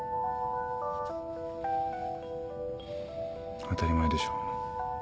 当たり前でしょ。